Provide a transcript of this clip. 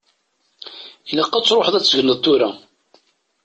Ilaq ad tṛuḥeḍ ad tegneḍ tura.